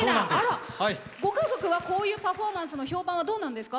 ご家族はこういうパフォーマンスの評判はどうなんですか？